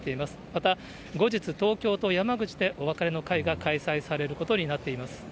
また後日、東京と山口でお別れの会が開催されることになっています。